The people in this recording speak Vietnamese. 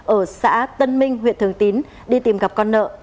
ở xã tân minh huyện thường tín đi tìm gặp con nợ